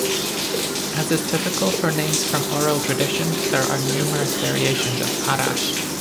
As is typical for names from oral tradition, there are numerous variations of 'Arash'.